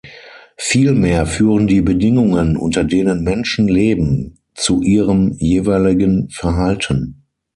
Vielmehr führen die Bedingungen, unter denen Menschen leben, zu ihrem jeweiligen Verhalten.